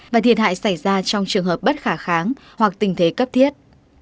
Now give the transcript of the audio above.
và thiệt hại xảy ra trong trường hợp bất khả kháng hoặc tình thế cấp thiết